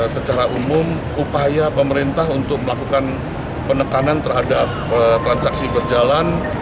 secara umum upaya pemerintah untuk melakukan penekanan terhadap transaksi berjalan